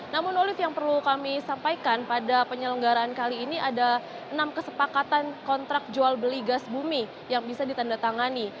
namun olive yang perlu kami sampaikan pada penyelenggaraan kali ini ada enam kesepakatan kontrak jual beli gas bumi yang bisa ditandatangani